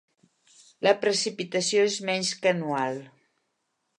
La precipitació és menys que anual.